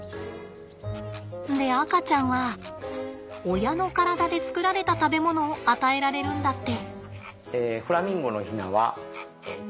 で赤ちゃんは親の体で作られた食べ物を与えられるんだって。